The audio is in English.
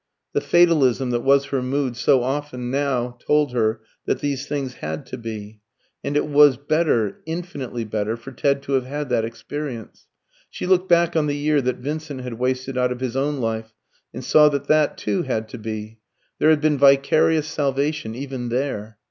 The fatalism that was her mood so often now told her that these things had to be. And it was better, infinitely better, for Ted to have had that experience. She looked back on the year that Vincent had wasted out of his own life, and saw that that too had to be. There had been vicarious salvation even there.